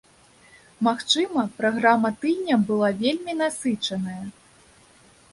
Магчыма, праграма тыдня была вельмі насычаная.